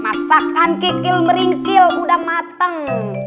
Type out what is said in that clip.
masakan kikil meringkil udah mateng